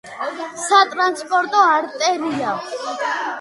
სატრანსპორტო არტერია